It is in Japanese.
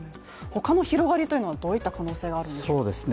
他の広がりというのはどういった可能性があるんでしょうか。